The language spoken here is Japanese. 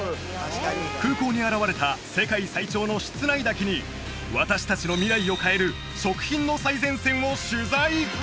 空港に現れた世界最長の室内滝に私達の未来を変える食品の最前線を取材！